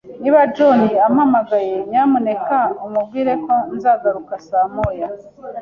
Niba John ampamagaye, nyamuneka umubwire ko nzagaruka saa moya.